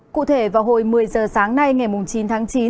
cụ thể vào hồi một mươi giờ sáng nay ngày chín tháng chín